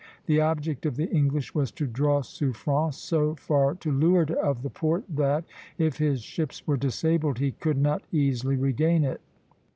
The object of the English was to draw Suffren so far to leeward of the port that, if his ships were disabled, he could not easily regain it.